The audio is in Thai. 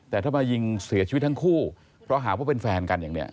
แต่ถ้ามายิงเสียชีวิตทั้งคู่เพราะหาว่าเป็นแฟนกันอย่างนี้